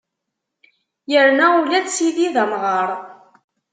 Yerna ula d Sidi d amɣar!